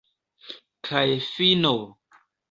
Kaj fino!